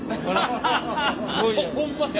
ホンマや！